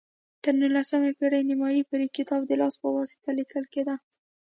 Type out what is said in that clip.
تر نولسمې پېړۍ نیمايي پورې کتاب د لاس په واسطه لیکل کېده.